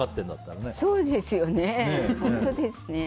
そうですよね、本当ですね。